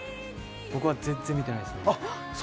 僕は全然見てないです。